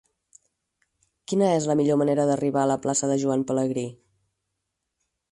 Quina és la millor manera d'arribar a la plaça de Joan Pelegrí?